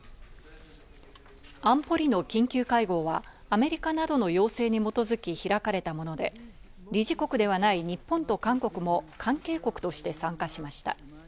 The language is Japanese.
安保理の緊急会合はアメリカなどの要請に基づき開かれたもので、理事国ではない日本と韓国も関係国として参加しました。